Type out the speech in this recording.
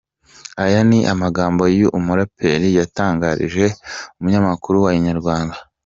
Aya ni amagambo uyu muraperi yatangarije umunyamakuru wa Inyarwanda.